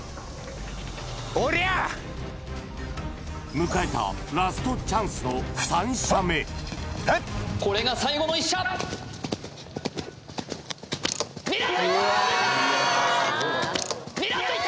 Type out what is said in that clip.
迎えたラストチャンスの３射目これが最後の１射狙っていった当てた！